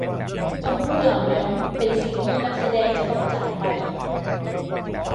คำพูดเหล่านั้นเป็นสิ่งที่นักแสดงจะต้องจากไป